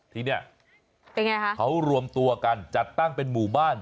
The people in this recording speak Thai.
ที่เนี่ยเขารวมตัวกันจัดตั้งเป็นหมู่บ้าน